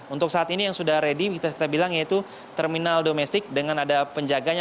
untuk saat ini yang sudah ready kita bilang yaitu terminal domestik dengan ada penjaganya